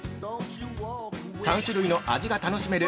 ３種類の味が楽しめる